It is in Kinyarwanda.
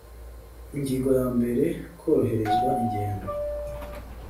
ingingo ya mbere koroherezwa ingendo